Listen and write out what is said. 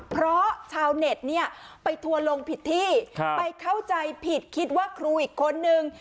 เพราะชาวเน็ตเนี่ยไปทัวร์ลงผิดที่ไปเข้าใจผิดคิดว่าครูอีกคนนึง